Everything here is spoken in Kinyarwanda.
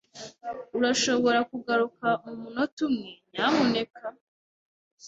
Urashobora kugaruka mumunota umwe, nyamuneka?